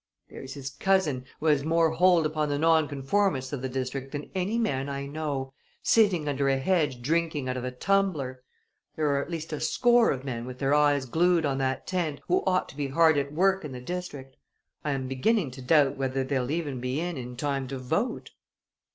"There's his cousin, who has more hold upon the nonconformists of the district than any man I know sitting under a hedge drinking out of a tumbler! There are at least a score of men with their eyes glued on that tent who ought to be hard at work in the district. I am beginning to doubt whether they'll even be in in time to vote!"